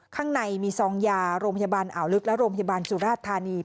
ข้างในมีซองยาโรงพยาบาลอ่าวลึกและโรงพยาบาลสุราชธานี